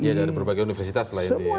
dari berbagai universitas lainnya